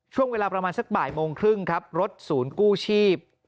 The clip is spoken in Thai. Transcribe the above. ช่วงเวลาประมาณสักบ่ายโมงครึ่งครับรถศูนย์กู้ชีพ